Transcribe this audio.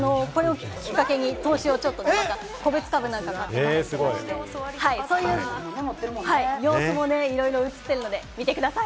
実際に私もこれをきっかけに投資をちょっと個別株なんか買ったりして、そういう様子もねいろいろ映っているので見てください。